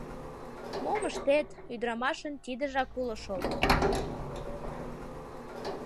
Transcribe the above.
Мом ыштет, ӱдырамашын тидыжак уло шол.